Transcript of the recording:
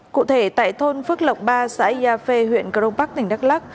cụ thể tại thôn phước lộc ba xã yà phê huyện cờ rông bắc tỉnh đắk lắc